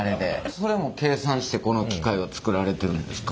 それも計算してこの機械を作られてるんですか？